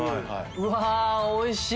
うわおいしい！